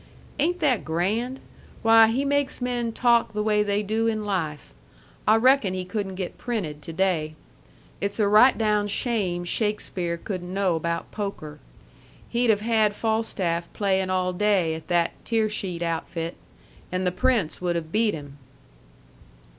"Ain't that grand? Why, he makes men talk the way they do in life. I reckon he couldn't get printed to day. It's a right down shame Shakespeare couldn't know about poker. He'd have had Falstaff playing all day at that Tearsheet outfit. And the Prince would have beat him."